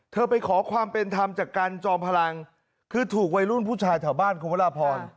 ไปขอความเป็นธรรมจากกันจอมพลังคือถูกวัยรุ่นผู้ชายแถวบ้านคุณพระราพร